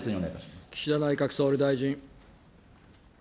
岸田内閣総理大臣。